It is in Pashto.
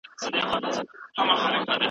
په نړۍ کې لاسي صنایع ګران دي.